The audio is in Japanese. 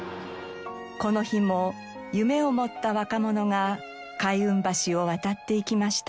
この日も夢を持った若者が開運橋を渡っていきました。